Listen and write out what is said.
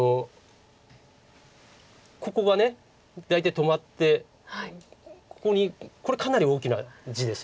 ここが大体止まってここにこれかなり大きな地ですよね。